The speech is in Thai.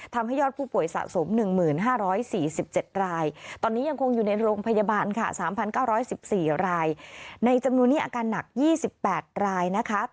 ทำให้ยอดผู้ป่วยสะสม๑๕๔๗รายตอนนี้ยังคงอยู่ในโรงพยาบาลค่ะ๓๙๑๔ราย